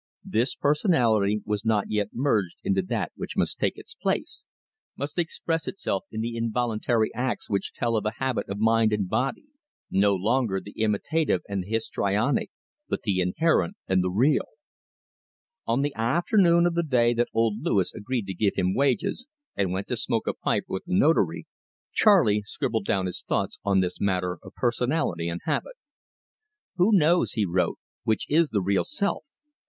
This personality was not yet merged into that which must take its place, must express itself in the involuntary acts which tell of a habit of mind and body no longer the imitative and the histrionic, but the inherent and the real. On the afternoon of the day that old Louis agreed to give him wages, and went to smoke a pipe with the Notary, Charley scribbled down his thoughts on this matter of personality and habit. "Who knows," he wrote, "which is the real self?